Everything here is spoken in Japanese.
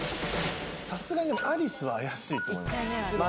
さすがに「ＡＬＩＣＥ」は怪しいと思いますよ